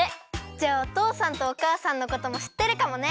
じゃあおとうさんとおかあさんのこともしってるかもね？